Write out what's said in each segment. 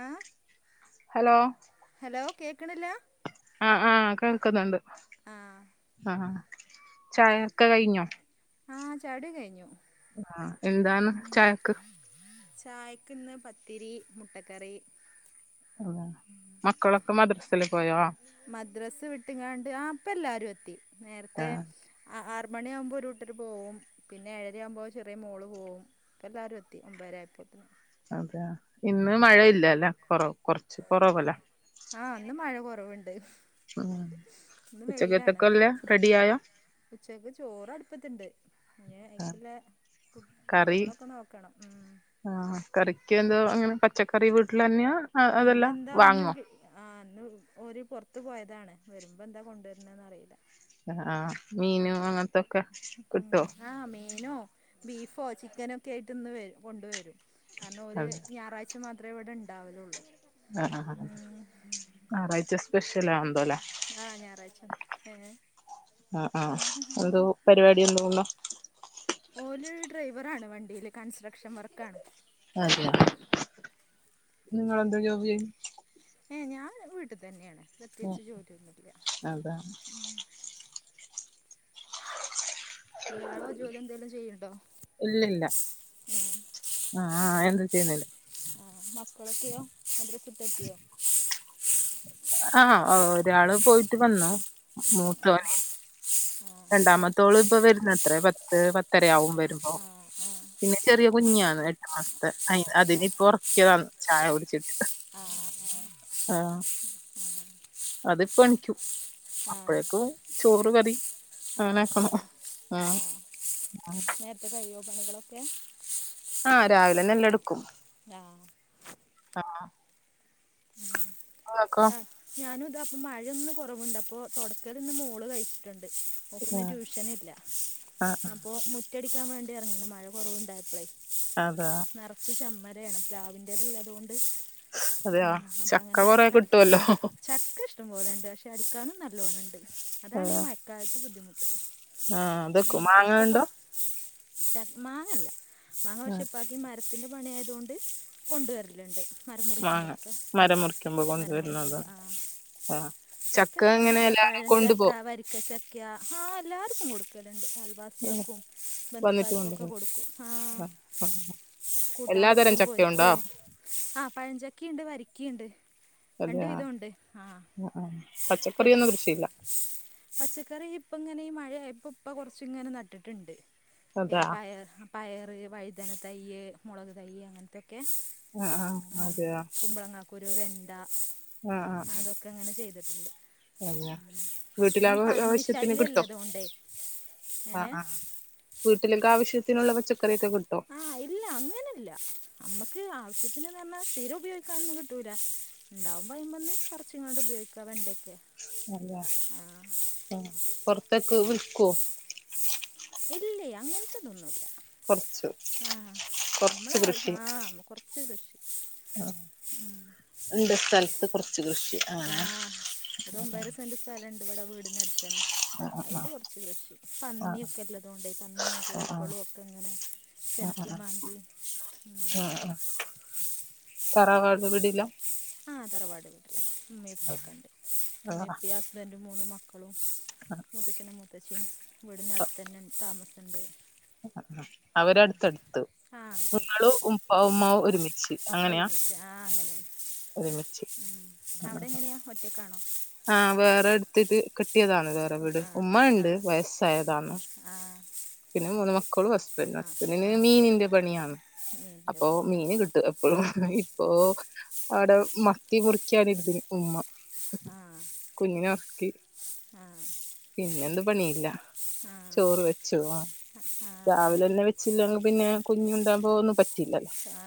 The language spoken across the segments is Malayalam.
ആ ഹലോ ഹലോ കേക്ക്ണില്ലാ ആഹ് ആഹ് കേൾക്ക്ന്നുണ്ട് ആ ഹാഹാ ചായ ഒക്കെ കഴിഞ്ഞോ ആഹ് ചായുട്യാക്കെ കഴിഞ്ഞു ആഹ് എന്താണ് ചായക്ക് ചായക്ക് ഇന്ന് പത്തിരീ മുട്ടക്കറി ആഹ് മക്കളൊക്കെ മദ്രസില് പോയോ മദ്രസ് വിട്ട്ങ്ങാണ്ട് ആഹ് പ്പെല്ലാരും എത്തി നേരത്തെ ആഹ് ആ ആറ് മണിയാകുമ്പോ ഒരൂട്ടര് പോകും പിന്നെ ഏഴരയാവുമ്പോ ചെറിയ മോള് പോകും പ്പേല്ലാരും എത്തി ഒമ്പരായപ്പോത്തിന് അതെ ഇന്ന് മഴയില്ലല്ലെ കൊറവ് കൊറച്ച് കൊറവല്ലെ ആഹ് ഇന്ന് മഴ കൊറവ്ണ്ട് ഉം ഉച്ചക്കെത്തക്കല്ലെ റെഡിയാ ഉച്ചക്ക് ചോറ് അടുപ്പത്തിട്ട് ന്നെ അയ്ക്കില്ലേ കുട്ട് കറി കറികളൊക്കെ നോക്കണം ഉം ആഹ് കറിക്ക് എന്തോ അങ്ങനെ പച്ചക്കറി വീട്ടിലന്ന്യാ അതെല്ലാ വാങ്ങോ ആഹ് ഇന്ന് ഓര് പാെറത്ത് പോയതാണ് വരുമ്പോ എന്താ കൊണ്ടുവര്ന്ന് അറീല്ല അഹ് ആഹ് മീനും അങ്ങത്തൊക്കെ കിട്ടോ ആഹ് മീനാേ ബീഫോ ചിക്കനൊക്കെ ആയിട്ട് ഇന്ന് വരും കൊണ്ടുവരും കാരണം ഓര് അതെ ഞാറായ്- ഴ്ച മാത്രെ ഇവടെണ്ടാവലുള്ളൂ അഹ്ആഹ് ഹാ ഞായറാഴ്ച സ്പെഷ്യൽ ആണ്ല്ലോ ലെ ആഹ് ഞായറാഴ്ച്ച ഹേ ആഹ് ആഹ് എന്തോ [unintelligible] ഓല് ഡ്രൈവറാണ് വണ്ടിയില് കൺസ്ട്രക്ഷൻ വർക്കാണ് അയ്ശരി നിങ്ങളെന്ത് ജോബ് ചെയ്യ് ഏഹ് ഞാൻ വീട്ട്തന്നെണ് പ്രത്യേകിച്ച് ജോലി ഒന്നുല്ല അതാ ഇയാളോ ജോലി എന്തെലും ചെയ്യ്ണ്ടോ ഇല്ലില്ല ആഹ് ആഹ് എന്തും ചെയ്യുന്നില്ല ആഹ് മക്കളൊക്കെയോ മദ്രസ്‌ വിട്ടെത്ത്യോ ആഹ് ഒരാള് പോയിട്ട് വന്നൂ ആ മൂത്തോന് ആ രണ്ടാമത്തോള് ഇപ്പം വരുന്ന അത്രേ പത്ത് പത്തരയാവും വരുമ്പോ ആ ആ ആ പിന്നെ ചെറിയ കുഞ്ഞാണ് എട്ടാം മാസ്ത്തെ അയ്ന് അതിനി ആ ഇപ്പ ഒറക്കിയതാണ്ചായ കുടിച്ചിട്ട് ആ ആഹ് അത്പ്പണിക്കും ആ അപ്പഴേക്കും ചോറ് കറി ആ അങ്ങനെ ആ ആക്കണം ആ ആഹ് നേരത്തെ കഴിയോ പണികളൊക്കെ ആഹ് രാവിലെന്നെല്ലെടുക്കും ആഹ് ആഹ് ഇങ്ങക്കോ [unintelligible] ഞാനും ഇതാ അപ്പ മഴയൊന്നു കാെറവ്ണ്ട് അപ്പൊ താെടക്കല് ഇന്ന് മോള് കഴിച്ചിട്ട്ണ്ട് മോക്കിന്ന് ആഹ് ട്യൂഷനില്ല ആഹ് അപ്പോൾ മുറ്റ് റ്റടിക്കാൻ വേണ്ടി ഇറങ്ങ്ണ് മഴ കൊറവ്ണ്ടായപ്പളെ അതാ നെറച്ച് ചമ്മരയാണ് പ്ലാവിൻ്റെ ല്ലെതോണ്ട് അതെയോ ആഹ് അപ്പം ചക്ക അങ്ങനെ കൊറെ അടിച്ച് കിട്ടുവല്ലോ ചക്ക ഇഷ്ടംപോലുണ്ട് പക്ഷെ അടിക്കാനും നല്ലോണംണ്ട് അതാണ് ഈ അതെ മയക്കാലത്ത് ബുദ്ധിമുട്ട് ആ അതൊക്കെ ഉം മാങ്ങണ്ടോ ചട്ടപ്പ- മാങ്ങല്ല മാങ്ങ പക്ഷേ ഇപ്പാക്കി മരത്തിന്റെ പണി ആയതൊൻണ്ട് കൊണ്ടുവരല്ണ്ട് മാങ്ങ മരമുറിക്കുമ്പോഴൊക്കെ ഉം മരം മുറിക്കുമ്പോ കൊണ്ടുവരുന്നത് മരംമുറിക്കുമ്പ ആഹ്. ആ ചക്ക ഇഷ്ടം ഇങ്ങനെ പോലെ എല്ലാരും പഴഞ്ചക്ക കൊണ്ടുപോ വരി ചക്കാ ആഹ് എല്ലാർക്കും കൊടുക്കല്ണ്ട് അൽവാ യാക്കും വന്നിട്ട് ബന്ധുക്കാർക്കും ഒക്കെ കൊണ്ടുപോ കൊടുക്കും ആഹ് കൂട്ടാൻ എല്ലാതരം വെക്കും ചക്കയുണ്ടോ പൊരിക്കും ആഹ് പഴഞ്ചക്കിണ്ട് വരിക്കിണ്ട്. രണ്ട് അതെയ വിധം ഉണ്ട് ആഹ് പൊരി പച്ചക്കറിയൊന്നും കൃഷിയില്ല പച്ചക്കറി ഇപ്പ ങ്ങനെ ഈ മഴ ആയപ്പോ പ്പ കൊറച്ച് ഇങ്ങനെ നട്ടിട്ടുണ്ട്. അതാ പയ പയറ് വഴുതന തൈയ്യ് മുളക് തൈയ്യ് അങ്ങൻത്തൊക്കെ ആഹ് ആഹ് അതെയാ. കുമ്പളങ്ങാ ക്കുരു വെണ്ടാ ആഹ് ആ. അങ്ങനെ ചെയ്തിട്ടുണ്ട്. അതെ വീട്ടിലെ ഇ പന്നി ആവശ്യത്തിന് കിട്ടോ ശല്യല്ലേ അതുകൊണ്ടേയ് ങ്ങനെ വീട്ടിലിൽക്ക് ആവശ്യത്തിനുള്ള പച്ചക്കറിയൊക്കെ കിട്ടോ? ആ ഇല്ല അങ്ങനല്ല നമ്മക്ക് ആവശ്യത്തിന്ന്ന് പറഞ്ഞാ സ്ഥിരം ഉപയോഗിക്കാനൊന്നും കിട്ടൂല. ഉണ്ടാവുമ്പ അയിമന്ന് പറിച്ങ്ങാണ്ട് ഉപയോഗിക്കാം വേണ്ടയ്ക്കാ അല്ല ആഹ് പൊറത്തേക്ക് വിൽക്കോ? ഇല്ലയ് അങ്ങൻത്തെതൊന്നുല്ല. കൊറച്ചു ആഹ് കൊറച്ച് നമ്മള് കൃഷി ആ ആ കൊർച്ച് കൃഷി. ഉം ണ്ട് സ്ഥലത്ത് കൊർച്ച് കൃഷി അങ്ങനെ രണ്ടു വടെ വീടിന്നടുത്തന്നെ. [inaudible] അത് കൊർച്ച് കൃഷി ആഹ് പന്നിയൊക്കെ ഉള്ളതൊൻണ്ട് ഈ പന്നിയും ആഹ് കോഴിക്കളും ഒക്കെ ഇങ്ങനെ ആഹ് ആഹ് ആഹ് ച്ചൻക്കി മാന്തി ആഹ് ആഹ് ആഹ് തറവാട് വീടിലാ? ആഹ് തറവാട് വീട്ടിലാ, ഇമ്മീം ഇപ്പിഒക്കെ ഉണ്ട്, ഇമ്മീം ഇപ്പി ഹസ്ബൻഡും മൂന്ന് മക്ക ക്കളും മൂത്തച്ഛനും മൂത്തച്ചിം വീടിന്റെ അടുത്തന്നെ താമസണ്ട്. അവരടുത്തടുത്ത് ആ അടുത്തത് നിങ്ങളും ഉപ്പാവും ഉമ്മാവും ഒരുമി ഒരുമിച്ച് ആഹ് അങ്ങനേണ്, ഒരുമിച്ച് ഉം ആഹ് ആഹ് അവടെങ്ങനെയാ ഒറ്റയ്ക്കാണോ? ആഹ് വേറെ എട്ത്തിട്ട് കി ട്ട്യതാണ് വേറെ വീട്, ആ ആ ആ ഉമ്മണ്ട് വയസ്സായതാന്ന്. ആ പിന്നെ മൂന്ന് മക്കളും ഹസ്ബൻഡ് ആ ഹസ്ബൻഡിന് ആ ആ മീനിന്റെ പണിയാണ് നീണ്ട അപ്പൊ പണി ആ മീന് കി അപ്പോഴും ഇപ്പൊ ആടെ മത്തി മുറിക്കാന് ഇരുന്നിന് ഉമ്മ. ആഹ് കുഞ്ഞിനെ ഒർക്കി പിന്നെന്ത് പണിയില്ല. ആ ചോറ് വെച്ചു, ആഹ് ആ ആ രാവിലെന്നെ വേ ച്ചിലങ്കി പിന്നെ കുഞ്ഞുണ്ടാമ്പോനും പ ആഹ് ആ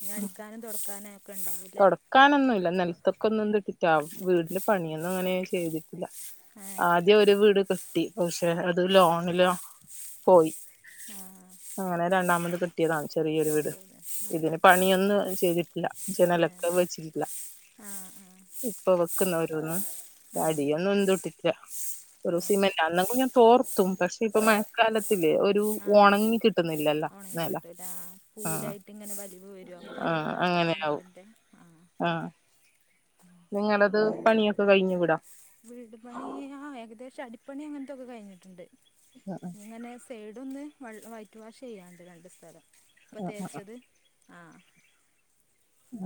നി അടിക്കാനും തൊടക്കാനും ഒക്കെ ഇണ്ടാവുംല്ലേ? ക്കാനൊന്നുല്ല, നെല്ത്തൊക്കെ ഒന്നുംന്നും ഇട്ടിട്ട വീട്ല് പണിയൊന്നും അങ്ങനെ ചെയ്തിട്ടില്ല. ആ ആദ്യം ഒരു വീട് കിട്ടി, പക്ഷെ അത് ലോണിലാ പോയി. ആ അങ്ങനെ രണ്ടാമത് ക്ക് കിട്ടിയതാ ചെറിയൊരു വീട് കിട്ടിയത് ആ ഇതിന് പണിയൊന്നും ചെയ്തിട്ടില്ല. ആ ജനലൊക്കെ വെച്ചിട്ടില്ല ആ ഇപ്പൊ വെക്കുന്നരോന്നും ആ ആ പടിയൊന്നും ന്തും ഇട്ടിട്ടില്ല്യ ഒരു സിമെന്റാന്നെങ്കും ഞാ തോർത്തും പക്ഷെ ഇപ്പൊ മഴക്കാലത്തില്ലേ ഒരു ആഹ ഒണങ്ങി കിട്ടുന്നില്ലല്ലോ ഒണങ്ങി നെല കിട്ടൂല ആ പൂലായിട്ട് ഇങ്ങനെ വലിവ് വരും യോഗൊല്ല്യ നനവിൻ്റെ ആ ആഹ നിങ്ങളത് പണിയൊക്കെ കഴിഞ്ഞ വിടാ വീട് പണി ആ ഏകദേശം അടിപ്പണി അങ്ങനത്തൊക്കെ കഴിഞ്ഞിട്ടിണ്ട് ആ അ അങ്ങനെ സൈഡൊന്ന് വൾ വൈറ്റ് വാഷ് ചെയ്യാനുണ്ട് രണ്ട് സ്ഥലം ഇപ്പ ആഹ് ആഹ് തേച്ചത് ആഹ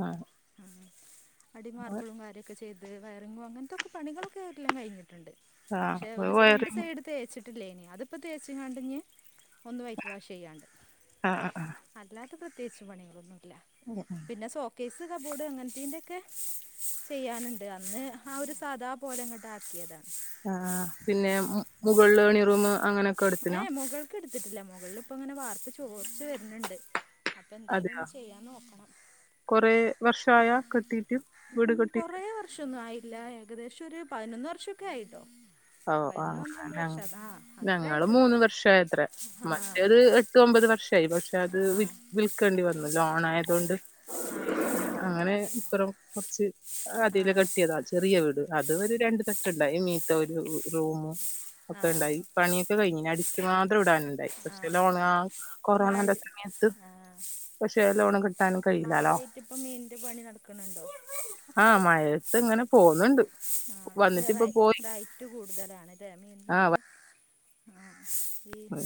ആഹ ആഹ്, അടിമാർബിളും കാര്യൊക്കെ ചെയ് അത് വയറിങ്ങോ അങ്ങൻത്തൊക്കേ പണികളൊക്കെ എല്ലാം കഴിഞ്ഞിട്ട്ണ്ട് പക്ഷെ ആഹ് ഒരു രണ്ട് വയറിങ് സൈഡ് തേച്ചിട്ടില്ലേനി അതിപ്പോം തേച്ചിങ്ങാണ്ട് ഇനി ഒന്ന് വൈറ്റ് വാഷെയ്യാണ്ട് ആഹ് ആഹ് അല്ലാത്ത പ്രത്യേകിച്ച് പണികളൊന്നുംല്ല പിന്നെ സോക്കേസ് കബോർഡ് അങ്ങനത്തിന്റെ ക്കെ ചെയ്യാനിണ്ട് അന്ന് ആ ഒരു സഥാ പോലെ അങ്ങോട്ട് ആക്കിയതാ ആ പിന്നെ മ് മുകള് ളണിറൂമ് അങ്ങനെ ഏ മുകൾക്ക് എട്ത്തിട്ടില്ല മുകളി ഇപ്പ ഇങ്ങനെ വാർപ്പ്‌ ചോർച്ച് വരണിണ്ട് അപ്പ എന്തേലും അതെയോ ഒന്ന് ചെയ്യാൻ നോക്കണം കൊറേ വർഷായ കെട്ടീട്ട് ഉ വീട് മം കെട്ടീട്ട് കൊറേ വർഷൊന്നും ആയില്ല ഏകദേശം ഒരു പതിനൊന്ന് വർഷമൊക്കെ ആയിട്ടോ പതിനൊന്ന് പന്ത്രണ്ട് വർഷം അതാ ആ ഞങ്ങൾ ആയിട്ടുണ്ട് മൂന്ന് വർഷമായത്ര ആ മറ്റേത് എട്ട് ഒമ്പത് വർഷമായി പഷ് പക്ഷ അത് ആ വി വിൽക്കേണ്ടി വന്നു ലോൺ ആയതോണ്ട് ആ അങ്ങനെ ഇപ്പറം കൊറച്ച് ആ അതില് കെട്ടിയതാ ചെറിയ വീട് അത് ഒരു രണ്ടു തട്ട്ണ്ടായി റൂമും ആ ആ ഒക്കെ ഇണ്ടായി പണിയൊക്കെ കഴിഞ്ഞഞിഅടി ഇത് മാത്രം ഇടാൻണ്ടായി ആ പക്ഷേ ലോണ് ആ മഴ കൊറോണേന്റെ സമയത്ത് ആ പക്ഷെ ലോൺ കിട്ടാനും കഴിയില്ലാലോ മഴയായിട്ട് ഇപ്പം മീനിൻ്റെ പണി നടക്കുന്നുണ്ടോ ആഹ മഴയത്ത് ഇങ്ങനെ പോണ് ണ്ട് ആ ഇപ്പൊ റൈറ്റ് കൂടുതലാണ് ഇതേ മീനിനൊക്കെ ആ ഈ മ്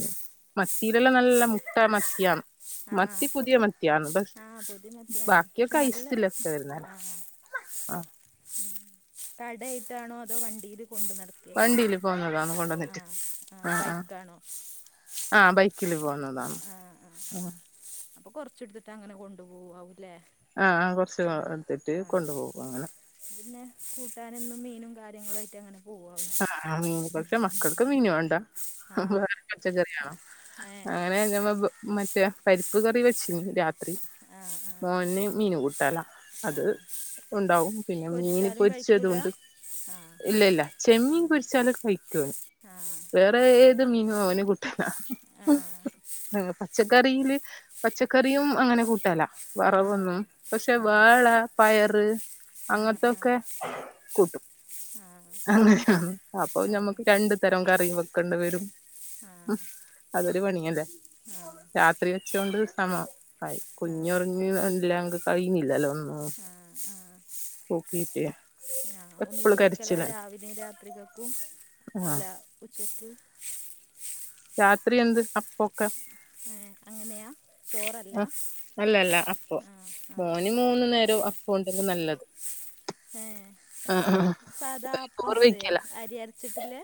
മത്തീയിലല്ലാം നല്ല മുട്ട മത്തിയാണ് ആ മത്തി പുതിയ മത്തിയാണ് പഷ് ആ പൊതി മത്തിയാണ് ബാക്കിയൊക്കെ ഐസിലൊക്കെ വരന്നല്ലെ മം കട ആയിട്ടാണോ അതോ വണ്ടില് കൊണ്ടു നടക്കെ വണ്ടിയില് പോന്നതാണ് ആ കൊണ്ടുവന്നിട്ട് ആ ആഹ് ആഹ് ബൈക്കാണോ ആ ബൈക്കിൽ പോന്ന് പോന്നതാണ് ആഹ ആഹ അപ്പൊ കൊറച്ച് എട്ത്തിട്ട് അങ്ങനെ കൊണ്ടുപോവാവൂല്ലേ ആ ആ കുറച്ച് ആ എടുത്തിട്ട് ആ കൊണ്ടു പോകും അങ്ങനെ പിന്നെ കൂട്ടാനൊന്നും മീനും കാര്യങ്ങളുംമായിട്ട് അങ്ങനെ പോവാവും ആ ആ മീൻ പക്ഷെ മക്കൾക്ക് മീൻ വേണ്ട ആ വേറെ പച്ചക്കറിയാണ് ഏ അങ്ങനെ ഞമ്മ മറ്റേ പരിപ്പ് കറി വെച്ചിന് രാത്രി ആ ആ മോന് മീൻ കൂട്ടാലാം ആ അത് ഉണ്ടാവും പിന്നെ മീന് പൊരിച്ചാലും കഴിക്കൂല പൊരിച്ചതുണ്ട് ആ ഇല്ല ഇല്ല ചെമ്മീൻ പൊരിച്ചാല് കഴിക്കും അവൻ ആ വേറെ ഏത് മീനും അവന് കൂട്ടല ആ ആ പച്ചക്കറിയില് പച്ചക്കറിയും അങ്ങനെ കൂട്ടല്ല ആ ആ വറവൊന്നും പക്ഷെ ആ ആ വേള ആ പയറ് ആ ആ ആ അങ്ങനത്തൊക്കെ കൂട്ടും ആ അങ്ങനെയ അപ്പൊ ഞമ്മക്ക് രണ്ടു തരം കറി വെക്കേണ്ടി വരും അ അതൊരു പണിയല്ലേ രാ കറി വെച്ചോണ്ട് സമആയി ആ കുഞ്ഞൊറിങ്ങില്ല കഴുന്നില്ലല്ലോ ആ ആ ആ ഒന്നിച്ച് എപ്പളും വെക്കൽ എല്ല കരച്ചിലാണ് രാവിലെയും രാത്രികൾക്കും ആഹ് അല്ല ഉച്ചക്ക് രാത്രി എന്ത് അപ്പൊക്കെ ഏഹ് അങ്ങനെയാ ചോറല്ല ആ അല്ല അല്ല അപ്പം ആ ആ മോന് മൂന്ന് നേരം അപ്പം ഉണ്ടെങ്കിൽ നല്ലത് ഹ ആഹ് ആഹ് സാദാ അപ്പം ചൂടേ അരി അരച്ചിട്ടില്ലേ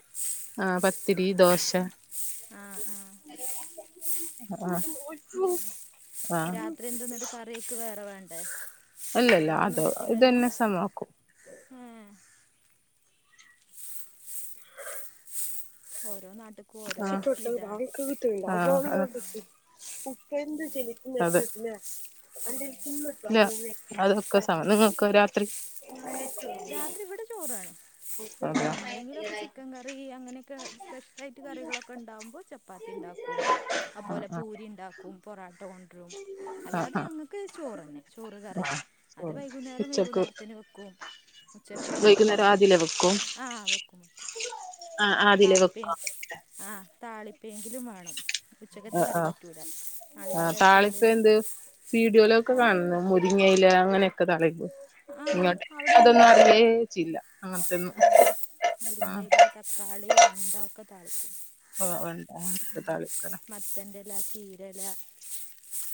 ആ പത്തിരി ദോശ ആഹ് ആഹ് അതാ ഉ രാത്രി എന്ത് ഇന്നിട്ട് കറി അയിക്ക് വേറെ വേണ്ടേ അല്ലല്ല ഉച്ചക്കത്തൊന്നും അതോ പറ്റില്ലല്ലോ ഇതന്നെ സമാക്കും ഏഹ് ഓരോ നാട്ട് ആഹ് ആഹ് അതെ ഇല്ല അതൊക്കെ [unintelligible] നിങ്ങക്കൊ രാത്രി രാത്രി ഇവിടെ ചോറ് വേണം ആഹ് എന്തെങ്കിലുമൊക്കെ ചിക്കൻ കറി അങ്ങനെയൊക്കെ സ്പെഷ്യല് ആയിട്ട് കറികളൊക്കെ ഉണ്ടാവുമ്പോൾ ചപ്പാത്തി ഉണ്ടാക്കും ആഹ് അപോലെ ആഹ് പൂരി ഉണ്ടാക്കും പൊറോട്ടോ കൊ ആഹ് അല്ലാതെ ആഹ് ഞങ്ങൾക്ക് ചോറ് തന്നെ ചോറ് കറി ആഹ് അത് ചോറ് വൈകുന്നേരം ഉച്ചക്ക് വൈകുന്നേരത്തിന് വെക്കും ഉച്ചക്ക് വേറെ വൈകുന്നേരം വെക്കും ആദ്യലേ വെക്കും ആഹ് വെക്കും [unintelligible] ആദ്യലേ താളിപ്പി വെക്കും ആ താളിപ്പയെങ്കിലും വേണം ഉച്ചക്കത്തെ ആഹ് കറി ആഹ് പറ്റൂല ആഹ് നാളികേരം അരച്ച താളിപ്പ് കറിയൊന്നും എന്ത് വീഡിയോയിലൊക്കെ താളിപ്പ് കാണുന്നു മുരിങ്ങയില അങ്ങനെയൊക്കെ താളിക്കുവോ ആ ഇങ്ങോട്ട്ക്കെ അവിടെയൊന്നും അതൊന്നും അറിയേ താളിപ്പില്ല ചെയല്ല അങ്ങനത്തൊന്നും ആ ആ മുരിങ്ങയില തക്കാളി വെണ്ട ഒക്കെ താളിക്കും ആ വെണ്ട താളിക്കലേ മത്തന്റെ ഇല ചീര ഇല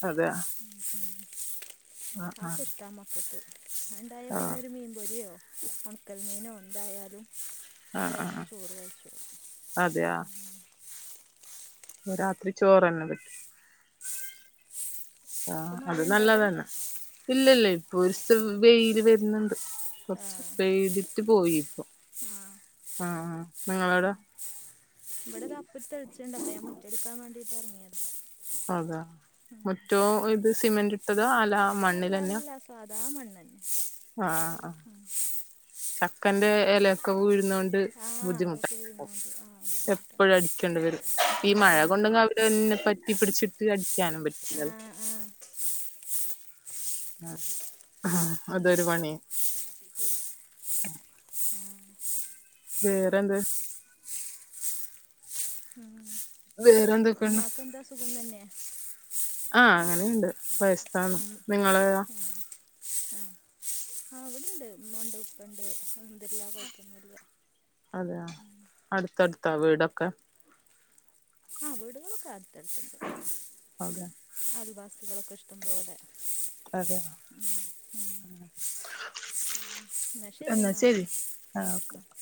അതെ അത് ആഹ് ഒക്കെ ഇഷ്ട മക്കൾക്ക് അത് ഉണ്ടായ പിന്നെ ആഹ് ഒരു മീൻപൊരിയോ ഉണക്കൽ മീനോ എന്തായാലും ആഹ് ആഹ് ഒരങ്ങനെ ചോറ് കഴിചോളും ഒ രാത്രി ചോറ്തന്നെ വെ ഇപ്പൊ മഴ ഉണ്ടൊ അവിടെ. ഇല്ല ഇല്ല ഇപ്പൊ ഒരു വെയില് വരുന്നുണ്ട് ആ കുറച്ച് പെയ്തിട്ട് പോയി ഇപ്പോ. ആ ആഹ് നിങ്ങളവിടെ ഇവിടെ ഇതാ ഇപ്പത്തിരി തെളിച്ചണ്ട്. അപ്പൊ ഞാൻ മുറ്റടിക്കാൻ വേണ്ടിട്ട് ഇറങ്ങിയതാ. അതാ. മുറ്റോ ഇത് സിമെന്റ് ഇട്ടതാ അതോ അല്ല അല്ല മണ്ണിലെന്നെയാ അല്ല സാധാ മണ്ണ് തന്നെ ആഹ ആ ചക്കന്റെ എല ഒക്കെ വീഴുന്നൊണ്ട് ആ ബുദ്ധിമുട്ടാണ്. അതൊക്കെ വീഴുന്നുണ്ട് ആ ബുദ്ധിമുട്ടാണ് എപ്പോഴും അടിക്കേണ്ടി വരും ഈ മഴ ആ കൊണ്ട അവിടെന്നെ പറ്റി പിടിച്ചിട്ട് അടിക്കാനും ആ പറ്റില്ലല്ലോ ആ ആ അതൊരു പണി ആ വേറെന്ത് ഉം വേറെന്തൊക്കെണ്ട് ഉമ്മാക്ക് എന്താ സുഖം തന്നെ ആ അങ്ങനെയുണ്ട് വയസാണ് ഉം. നിങ്ങളെയോ ആ ആ ആ ആ ഇവിടെ ഉണ്ട് ഉമ്മണ്ട്, ഉപ്പണ്ട് അൽഹംദുലില്ലാ കുഴപ്പൊന്നും ഇല്ല. അതെയാ. അടുത്തടുത്താ വീടൊക്കെ ആ വീടുകളൊക്കെ അടുത്തടുത്തുണ്ട്. അതെ അയൽവാസികളൊക്കെ ഇഷ്ടം പോലെ. അതെ എന്ന ശരി എന്നാല് ആഹ്